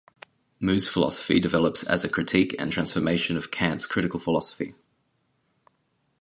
Mou's philosophy develops as a critique and transformation of Kant's critical philosophy.